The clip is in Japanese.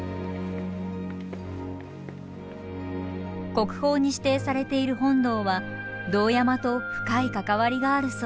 国宝に指定されている本堂は堂山と深い関わりがあるそう。